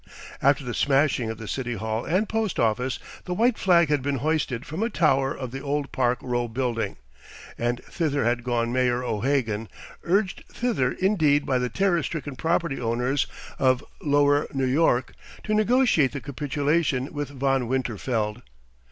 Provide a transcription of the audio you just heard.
After the smashing of the City Hall and Post Office, the white flag had been hoisted from a tower of the old Park Row building, and thither had gone Mayor O'Hagen, urged thither indeed by the terror stricken property owners of lower New York, to negotiate the capitulation with Von Winterfeld.